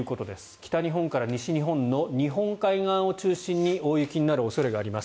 北日本から西日本の日本海側を中心に大雪になる恐れがあります。